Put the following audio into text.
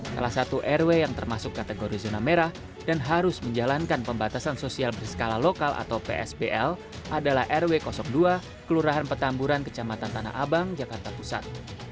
salah satu rw yang termasuk kategori zona merah dan harus menjalankan pembatasan sosial berskala lokal atau psbl adalah rw dua kelurahan petamburan kecamatan tanah abang jakarta pusat